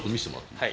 はい。